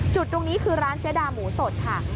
จุดตรงนี้คือร้านเจ๊ดาหมูสดค่ะ